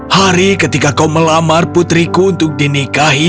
hari ketika kau melamar putriku untuk dinikahi